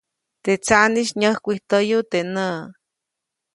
Teʼ tsaʼnis nyäjkwijtäyu teʼ näʼ.